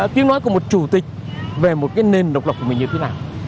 tiếng nói của một chủ tịch về một cái nền độc lập của mình như thế nào